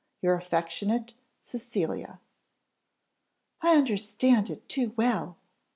Your affectionate CECILIA." "I understand it too well!"